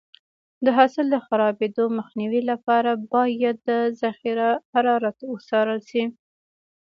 د حاصل د خرابېدو مخنیوي لپاره باید د ذخیره حرارت وڅارل شي.